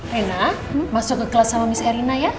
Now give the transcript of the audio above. rina masuk ke kelas sama miss erina ya